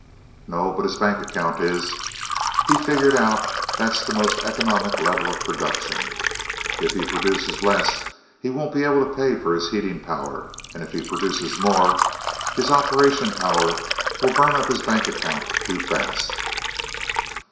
"No, but his bank account is. He's figured out that's the most economic level of production. If he produces less, he won't be able to pay for his heating power, and if he produces more, his operation power will burn up his bank account too fast."